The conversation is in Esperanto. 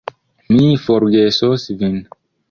Mi forgesos vin.